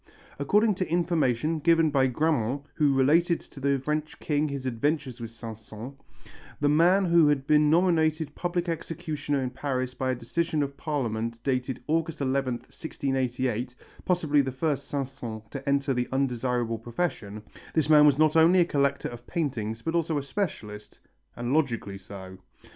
According to information given by Grammont, who related to the French king his adventure with Sanson, the man who had been nominated public executioner in Paris by a decision of Parliament dated August 11th, 1688, possibly the first Sanson to enter the undesirable profession, this man was not only a collector of paintings but also a specialist; and logically so.